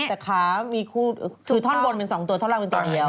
แต่ขามีคู่คือท่อนบนเป็น๒ตัวท่อนล่างเป็นตัวเดียว